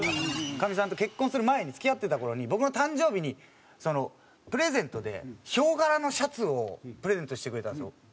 かみさんと結婚する前に付き合ってた頃に僕の誕生日にプレゼントでヒョウ柄のシャツをプレゼントしてくれたんですよ。